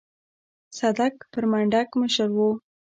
صدک پر منډک مشر و.